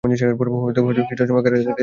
হয়তো কিছুটা সময় কারাগারে থাকতে হবে।